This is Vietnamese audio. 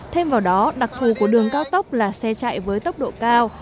thêm vào đó đặc thù của đường cao tốc là xe chạy với tốc độ cao